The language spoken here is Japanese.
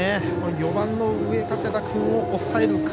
４番の上加世田君を抑えるか。